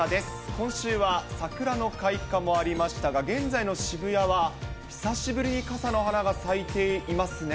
今週は桜の開花もありましたが、現在の渋谷は久しぶりに傘の花が咲いていますね。